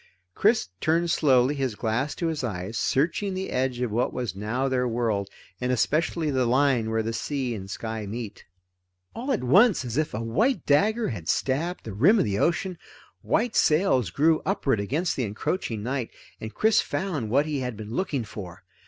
Chris turned slowly, his glass to his eyes, searching the edge of what was now their world, and especially the line where the sea and sky meet. All at once, as if a white dagger had stabbed the rim of the ocean, white sails grew upward against the encroaching night, and Chris found what he had been looking for.